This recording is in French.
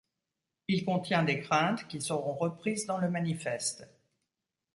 Il contient des craintes qui seront reprises dans le manifeste.